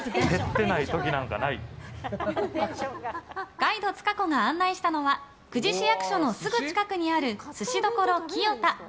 ガイド、つか子が案内したのが久慈市役所のすぐ近くにあるすし処きよ田。